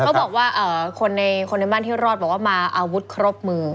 เขาบอกว่าคนในคนในบ้านที่รอดบอกว่ามาอาวุธครบมือ